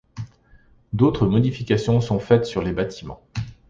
D'autres modifications sont faites sur les bâtiments.